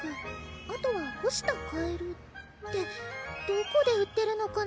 あとはほしたカエルってどこで売ってるのかな？